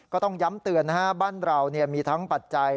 ก็ต้องย้ำเตือนบ้านเรามีทั้งปัจจัย